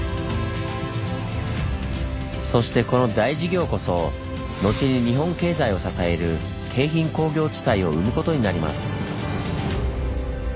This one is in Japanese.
そしてこの大事業こそ後に日本経済を支える京浜工業地帯を生むことになります。